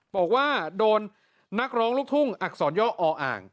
บอกว่าโดนนักร้องลูกทุ่งอักษรย่ออ่าง